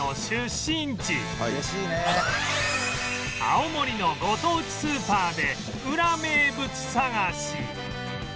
青森のご当地スーパーでウラ名物探し